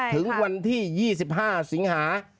ถึงวันที่๒๕สิงหา